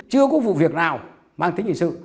chưa có vụ việc nào mang tính hình sự